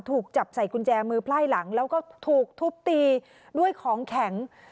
ถูกจับใส่กุญแจมือไพ่หลังแล้วก็ถูกทุบตีด้วยของแข็ง